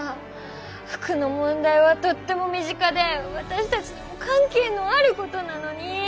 服の問題はとっても身近でわたしたちにもかんけいのあることなのに！